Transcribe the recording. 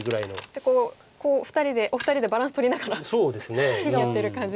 じゃあお二人でバランスとりながらやってる感じですね。